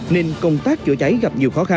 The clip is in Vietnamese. nên công tác chữa cháy gặp nhiều khó khăn